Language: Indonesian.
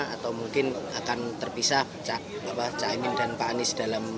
atau mungkin akan terpisah pak cahaymin dan pak anies dalam menunggu